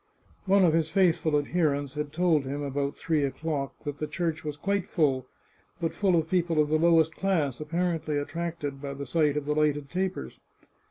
One of his faithful ad herents had told him, about three o'clock, that the church was quite full, but full of people of the lowest class, appar ently attracted by the sight of the lighted tapers.